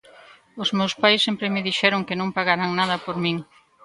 Os meus pais sempre me dixeron que non pagaran nada por min.